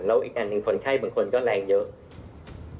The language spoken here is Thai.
แล้วอีกอันหนึ่งคนไข้บางคนก็แรงเยอะ